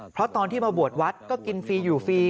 เพราะตอนที่มาบวชวัดก็กินฟรีอยู่ฟรี